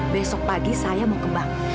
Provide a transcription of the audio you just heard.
besok pagi saya mau kembang